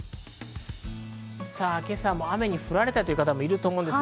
今朝も雨に降られたという方もいると思います。